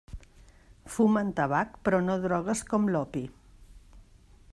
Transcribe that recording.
Fumen tabac però no drogues com l'opi.